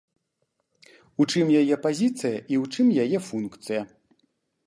У чым яе пазіцыя і ў чым яе функцыя.